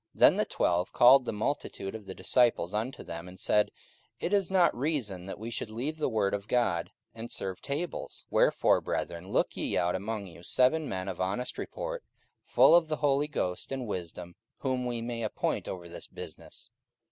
44:006:002 Then the twelve called the multitude of the disciples unto them, and said, It is not reason that we should leave the word of God, and serve tables. 44:006:003 Wherefore, brethren, look ye out among you seven men of honest report, full of the Holy Ghost and wisdom, whom we may appoint over this business.